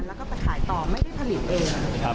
แล้วก็ไปขายต่อไม่ได้ผลิตเอง